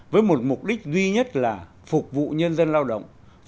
với một mục đích duy nhất là phục vụ nhân dân lao động